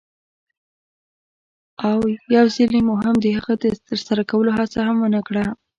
او یوځلې مو هم د هغه د ترسره کولو هڅه هم ونه کړه.